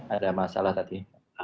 ada masalah tadi